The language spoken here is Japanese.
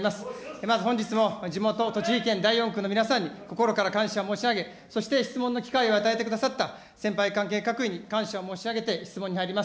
まず本日も地元、栃木県第４区の皆さんに、心から感謝申し上げ、そして質問の機会を与えてくださった先輩関係各位に感謝申し上げて質問に入ります。